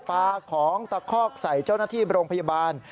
ปลาของตะคอกใส่เจ้าหน้าที่โรงพยาบาล